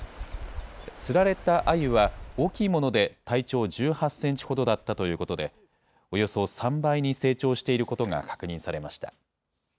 釣られたあゆは、大きいもので体長１８センチほどだったということで、およそ３倍に成長していることが確認されました。